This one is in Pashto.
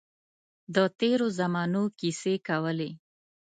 د تېرو زمانو کیسې کولې.